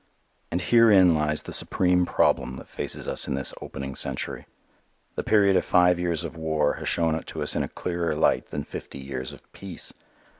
And herein lies the supreme problem that faces us in this opening century. The period of five years of war has shown it to us in a clearer light than fifty years of peace.